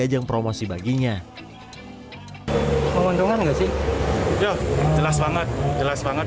ajang promosi baginya penguntungan enggak sih jelas banget jelas banget jelas banget jelas banget